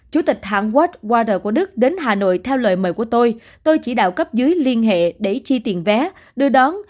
chủ tịch hãng west wader của đức đến hà nội theo lời mời của tôi tôi chỉ đạo cấp dưới liên hệ để chi tiền vé đưa đón